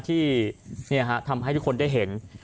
ที่ทำให้ทุกคนได้เห็น